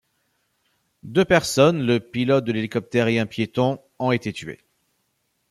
Deux personnes, le pilote de l'hélicoptère et un piéton, ont été tuées.